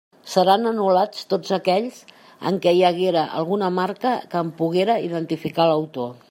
Seran anul·lats tots aquells en què hi haguera alguna marca que en poguera identificar l'autor.